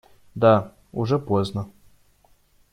Да, уже поздно.